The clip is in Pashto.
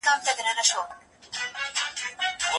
شرمناک خلګ په ژوند کي ډیر کړاو ویني.